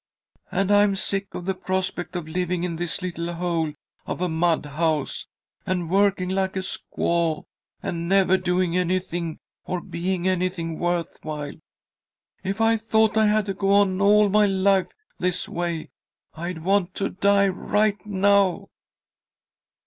And I'm sick of the prospect of living in this little hole of a mud house, and working like a squaw, and never doing anything or being anything worth while. If I thought I had to go on all my life this way, I'd want to die right now!"